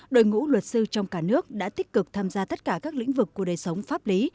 đội ngũ luật sư trong cả nước đã tích cực tham gia tất cả các lĩnh vực của đời sống pháp lý